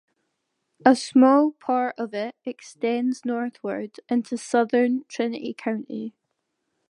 A small part of it extends northward into southern Trinity County.